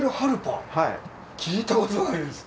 聞いたことないです。